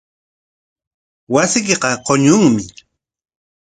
Wasiykiqa quñunmi.